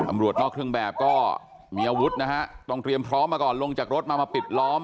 ตำรวจนอกเครื่องแบบก็มีอาวุธนะฮะต้องเตรียมพร้อมมาก่อนลงจากรถมามาปิดล้อม